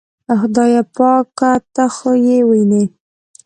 خدایه پاکه ته خو یې وینې.